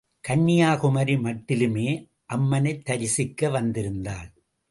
கன்யாகுமரி மட்டிலுமே அம்மனைத் தரிசிக்க வந்திருந்தாள்.